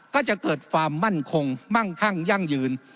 ก็จะเกิดความมั่นคงมั่งคั่งยั่งยืน